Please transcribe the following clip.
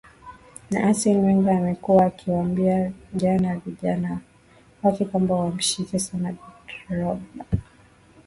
na assen wenga amekuwa akiwambia jana vijana wake kwamba wamshike sana drogba